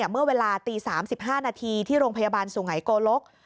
เมื่อเวลาตี๓๕นาทีที่โรงพยาบาลสุไงโกลก